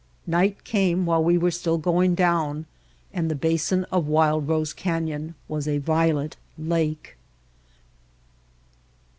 Night came while we were still going down, and the basin of Wild Rose Canyon was a violet lake.